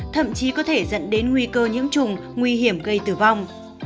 thậm chí có thể dẫn đến nguy cơ những chủng nguy hiểm gây tử vong